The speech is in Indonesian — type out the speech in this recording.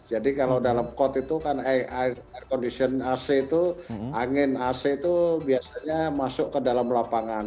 jadi kalau dalam kot itu kan air condition ac itu angin ac itu biasanya masuk ke dalam lapangan